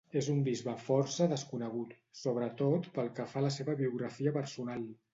És un bisbe força desconegut, sobretot pel que fa a la seva biografia personal.